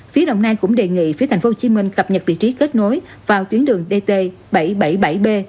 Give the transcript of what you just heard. phía đồng nai cũng đề nghị phía tp hcm cập nhật vị trí kết nối vào tuyến đường dt bảy trăm bảy mươi bảy b